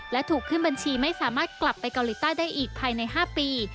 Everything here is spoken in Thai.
และถูกขึ้นบัญชีไม่สามารถกลับไปเกาหลีใต้ได้อีกภายใน๕ปี